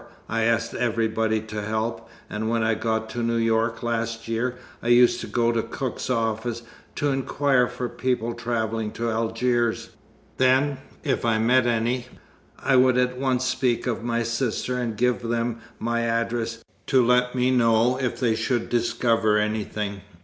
I asked everybody to help; and when I got to New York last year, I used to go to Cook's office, to inquire for people travelling to Algiers. Then, if I met any, I would at once speak of my sister, and give them my address, to let me know if they should discover anything.